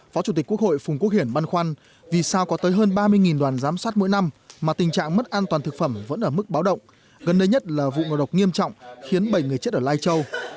phó chủ tịch quốc hội phùng quốc hiển băn khoăn vì sao có tới hơn ba mươi đoàn giám sát mỗi năm mà tình trạng mất an toàn thực phẩm vẫn ở mức báo động gần đây nhất là vụ ngộ độc nghiêm trọng khiến bảy người chết ở lai châu